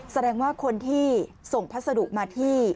แสดงว่าคนที่ที่ที่ส่งพัฒนสะดุมาที่